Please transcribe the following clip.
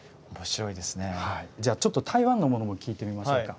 じゃあちょっと台湾のものも聴いてみましょうか。